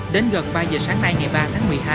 đến gần ba giờ sáng nay ngày ba tháng một mươi hai